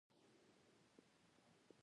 هلته ویل کېږي د بې بي هاجرې قبر دی.